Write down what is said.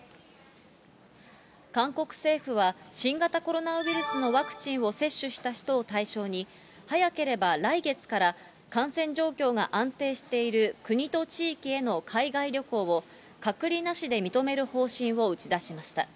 韓国政府は、新型コロナウイルスのワクチンを接種した人を対象に、早ければ来月から、感染状況が安定している国と地域への海外旅行を、隔離なしで認める方針を打ち出しました。